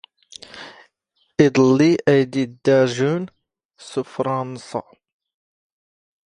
ⵉⴹⵍⵍⵉ ⴰⵢⴷ ⵉⴷⴷⴰ ⵊⵓⵏ ⵙ ⴼⵕⴰⵏⵙⴰ.